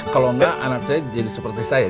kalau enggak anak saya jadi seperti saya